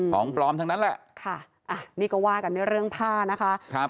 ของปลอมทั้งนั้นแหละนี่ก็ว่ากันในเรื่องผ้านะคะ